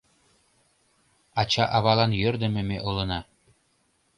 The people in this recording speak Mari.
Ача-авалан йӧрдымӧ ме улына.